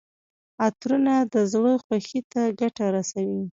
عطرونه د زړه خوښۍ ته ګټه رسوي.